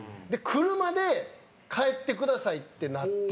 車で帰ってくださいってなって。